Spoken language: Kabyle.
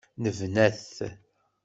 Nebna-t.